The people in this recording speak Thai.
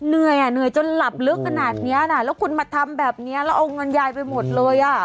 เหนื่อยอ่ะเหนื่อยจนหลับลึกขนาดเนี้ยนะแล้วคุณมาทำแบบนี้แล้วเอาเงินยายไปหมดเลยอ่ะ